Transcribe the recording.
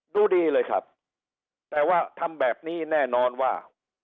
ดูดีเลยครับแต่ว่าทำแบบนี้แน่นอนว่า